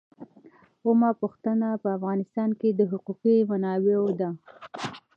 اوومه پوښتنه په افغانستان کې د حقوقي منابعو ده.